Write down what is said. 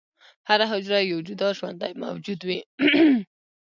هره حجره یو جدا ژوندی موجود وي.